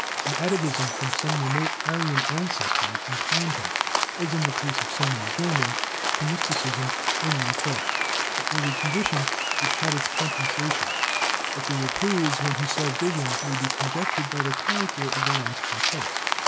An atavism from some remote Aryan ancestry inclined him, as in the case of so many Germans, to mysticism and the occult. It was a condition which had its compensations. That there were periods when he saw visions may be conjectured by the character of the last quartets.